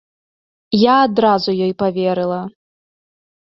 Я адразу ёй паверыла.